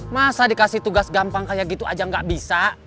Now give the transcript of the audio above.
masa dikasih tugas gampang kayak gitu aja gak bisa